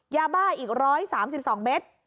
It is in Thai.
ยาบ้าอีก๑๓๒เมตร